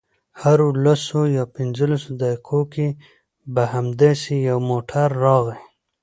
هرو لسو یا پنځلسو دقیقو کې به همداسې یو موټر راغی.